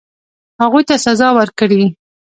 هغوی ته سزا ورکړي.